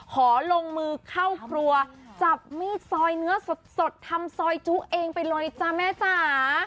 ขอลงมือเข้าครัวจับมีดซอยเนื้อสดทำซอยจุเองไปเลยจ้ะแม่จ๋า